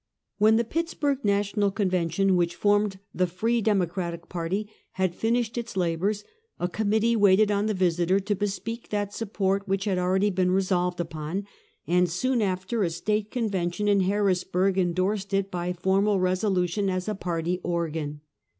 When the Pittsburg l^ational Convention, which formed the Free Democratic party, had finished its labors, a committee waited on the Visiter, to bespeak that support which had already been resolved upon, and soon after a State Convention in Harrisburg in dorsed it by formal resolution as a party organ.